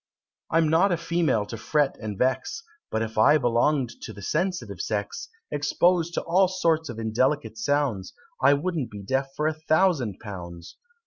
"I'm not a female to fret and vex, But if I belonged to the sensitive sex, Exposed to all sorts of indelicate sounds, I wouldn't be deaf for a thousand pounds.